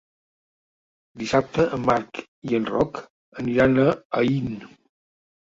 Dissabte en Marc i en Roc aniran a Aín.